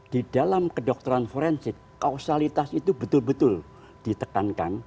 di dalam kedokteran forensik kausalitas itu betul betul ditekankan